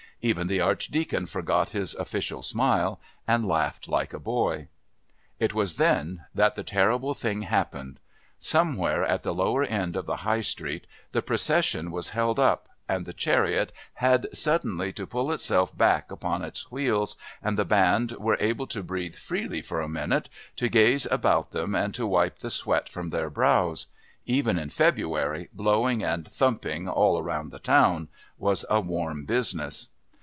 Even the Archdeacon forgot his official smile and laughed like a boy. It was then that the terrible thing happened. Somewhere at the lower end of the High Street the procession was held up and the chariot had suddenly to pull itself back upon its wheels, and the band were able to breathe freely for a minute, to gaze about them and to wipe the sweat from their brows; even in February blowing and thumping "all round the town" was a warm business.